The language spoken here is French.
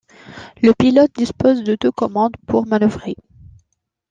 Le pilote dispose de deux commandes pour manœuvrer.